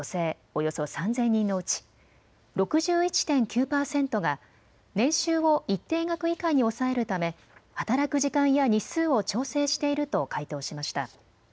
およそ３０００人のうち６１．９％が年収を一定額以下に抑えるため働く時間や日数を調整していると回答しました。